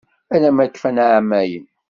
Ala ma kfan εamayen.